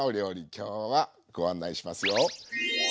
今日はご案内しますよ。